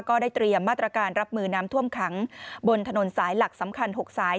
ก็ได้เตรียมมาตรการรับมือน้ำท่วมขังบนถนนสายหลักสำคัญ๖สาย